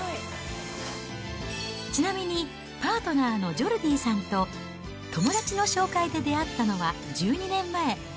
ちなみに、パートナーのジョルディさんと友達の紹介で出会ったのは１２年前。